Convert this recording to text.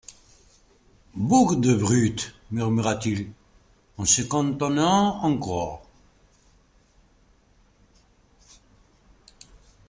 Bougres de brutes! murmura-t-il, en se contenant encore.